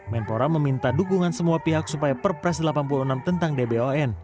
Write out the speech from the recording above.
menpora meminta dukungan semua pihak supaya perpres delapan puluh enam tentang dbon